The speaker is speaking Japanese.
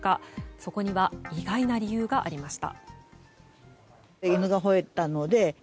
そこには意外な理由がありました。